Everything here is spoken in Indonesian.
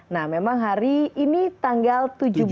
nah memang hari ini tanggal